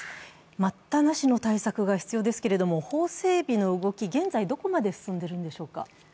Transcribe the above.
待ったなしの対策が必要ですけれども、法整備の動き、現在、どこまで進んでいるんでしょうか。